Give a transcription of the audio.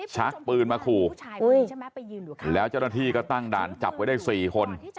ชักปืนมาขู่แล้วเจ้าหน้าที่ก็ตั้งด่านจับไว้ได้๔คน